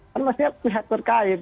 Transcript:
kan masih pihak terkait